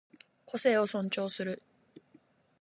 個性を尊重する